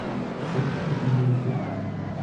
Allí estudia Bellas Artes.